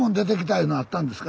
いうのあったんですか？